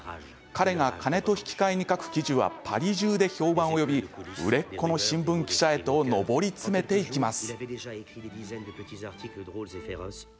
彼が金と引き換えに書く記事はパリ中で評判を呼び売れっ子の新聞記者へと上り詰めていきます。